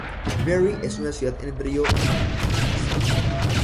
Marie es una ciudad en el río St.